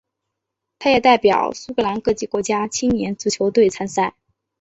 他也代表苏格兰各级国家青年足球队参赛。